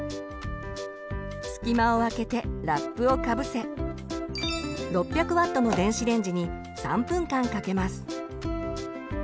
隙間をあけてラップをかぶせ６００Ｗの電子レンジに３分間かけます。